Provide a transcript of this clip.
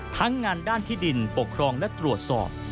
ทั้งงานด้านที่ดินปกครองและตรวจสอบ